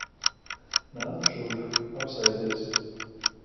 Nāc šurp. Apsēdies.